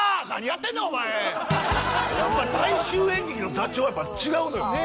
やっぱり大衆演劇の座長はやっぱ違うのよね。